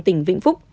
tỉnh vĩnh phúc